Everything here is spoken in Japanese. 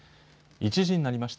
１時になりました。